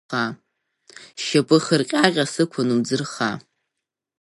Сшьапы хырҟьаҟьа сықәын умӡырха…